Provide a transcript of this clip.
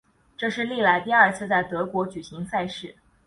这是历来第二次在德国举行赛事。